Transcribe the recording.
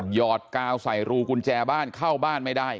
หอดกาวใส่รูกุญแจบ้านเข้าบ้านไม่ได้